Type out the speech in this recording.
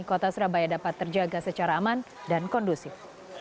kota surabaya dapat terjaga secara aman dan kondusif